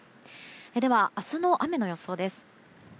では、明日の雨の予想です。